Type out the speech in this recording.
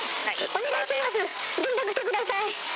連絡してください。